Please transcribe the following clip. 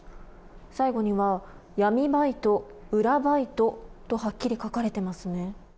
最後には闇バイト、裏バイトとはっきりと書かれていますね。